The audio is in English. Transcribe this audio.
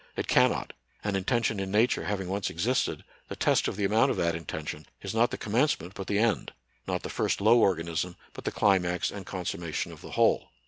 It can not, and intention in Nature having once ex isted, the test of the amount of that intention is not the commencement but the end, not the first low organism, but the climax and consum mation of the whole."